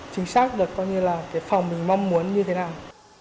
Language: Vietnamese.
chính xác được coi như là cái phòng mình mong muốn như thế nào